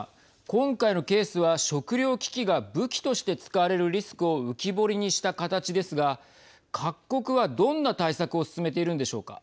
今回のケースは食糧危機が武器として使われるリスクを浮き彫りにした形ですが各国は、どんな対策を進めているんでしょうか。